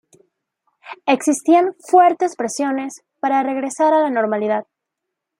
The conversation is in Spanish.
Existían fuertes presiones para "regresar a la normalidad".